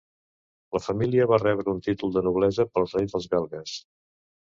La família va rebre un títol de noblesa pel rei dels belgues.